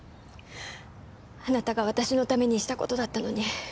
あなたが私のためにした事だったのに。